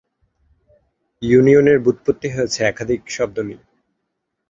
ইউনিয়নের ব্যুৎপত্তি হয়েছে একাধিক শব্দ নিয়ে।